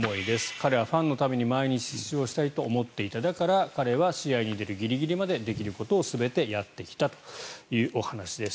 彼はファンのために毎日出場したいと思っていただから、彼は試合に出るギリギリまでできることを全てやってきたというお話です。